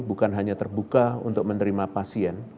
bukan hanya terbuka untuk menerima pasien